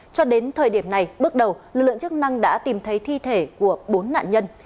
cho đến thời điểm này bước đầu lực lượng chức năng đã tìm thấy thi thể của bốn nạn nhân